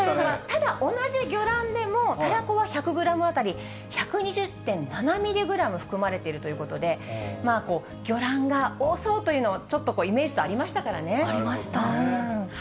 ただ、同じ魚卵でも、タラコは１００グラム当たり１２０．７ミリグラム含まれているということで、魚卵が多そうというのは、ちょっとイメージありありました。